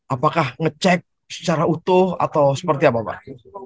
apakah ngecek secara utuh atau seperti apa pak